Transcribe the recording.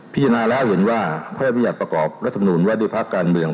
พิจารณาแล้วเห็นว่าพระพิจัดประกอบรัฐมนุนวัดิภักดิ์การเมือง